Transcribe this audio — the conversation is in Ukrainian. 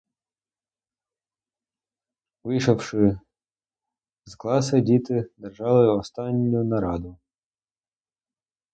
Вийшовши з класи, діти держали останню нараду.